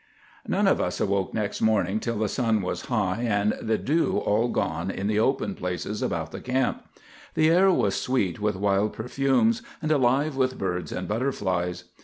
None of us awoke next morning till the sun was high and the dew all gone in the open places about the camp. The air was sweet with wild perfumes, and alive with birds and butterflies.